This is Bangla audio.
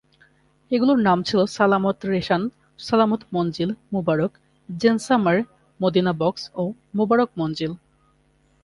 এগুলির নাম ছিল সালামত রেসান, সালামত মঞ্জিল, মুবারক, জেনসামার, মদিনা বখ্শ ও মোবারক মঞ্জিল।